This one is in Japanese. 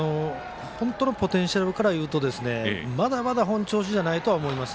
本当のポテンシャルからいうとまだまだ本調子じゃないと思います。